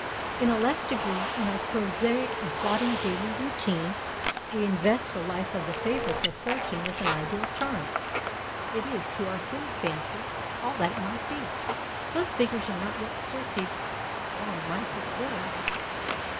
In a less degree, in our prosaic and plodding daily routine, we invest the life of the favorites of fortune with an ideal charm. It is, to our fond fancy, all that it might be. Those figures are not what Circe's wand might disclose.